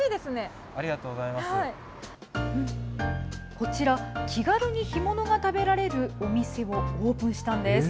こちら、気軽に干物が食べられるお店をオープンしたんです。